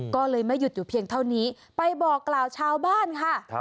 ก็เลยไม่หยุดอยู่เพียงเท่านี้ไปบอกกล่าวชาวบ้านค่ะ